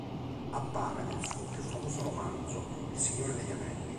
Appare nel suo più famoso romanzo, "Il Signore degli Anelli".